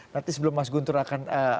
nanti sebelum mas guntur akan